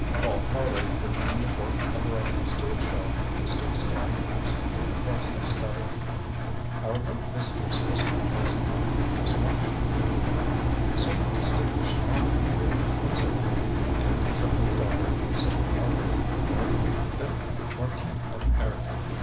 Paul Harley returned a work of reference to its shelf and stood staring absently across the study. ŌĆ£Our late visitor's history does not help us much, ŌĆØ he replied. ŌĆ£A somewhat distinguished army career, and so forth, and his only daughter, Sybil Margaret, married the fifth Marquis of Ireton.